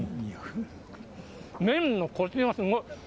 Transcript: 麺のコシがすごい。